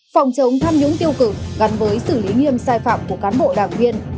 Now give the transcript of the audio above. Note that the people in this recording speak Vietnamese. phòng chống tham nhũng tiêu cực gắn với xử lý nghiêm sai phạm của cán bộ đảng viên